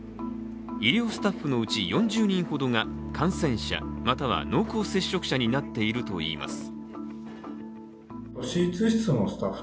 医療スタッフのうち４０人ほどが感染者または濃厚接触者になっているといいます。